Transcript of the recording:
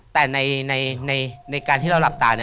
แต่ในการที่เราหลับตา